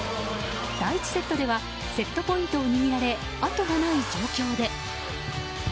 第１セットではセットポイントを握られあとがない状況で。